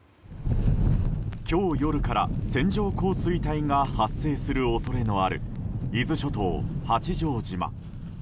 今日夜から線状降水帯が発生する恐れのある伊豆諸島・八丈島。